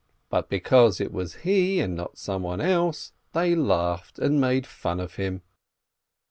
But because it was he, and not someone else, they laughed and made fun of him.